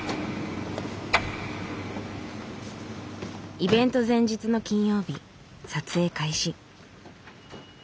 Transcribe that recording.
イベント前日の金曜日撮影開始。